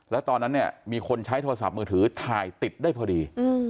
แล้วตอนนั้นเนี่ยมีคนใช้โทรศัพท์มือถือถ่ายติดได้พอดี